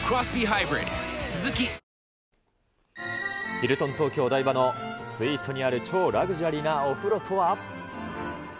ヒルトン東京お台場のスイートにある超ラグジュアリーなお風呂とは。